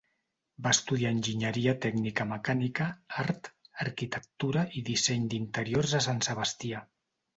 Va estudiar enginyeria tècnica mecànica, art, arquitectura i disseny d'interiors a Sant Sebastià.